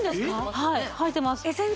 はいはいてます